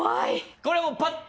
これもうパッと？